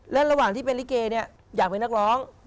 และระหว่างที่เป็นลิเกเนี่ยอยากเป็นนักร้อง